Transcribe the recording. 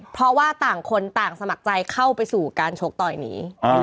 เพราะว่าต่างคนต่างสมัครใจเข้าไปสู่การชกต่อยหนี